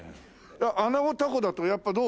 あなごたこだとやっぱどう？